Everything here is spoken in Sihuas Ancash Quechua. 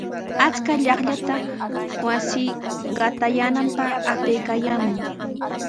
Achka chaqllata wasi qatayaananpaq apaykaayaamun.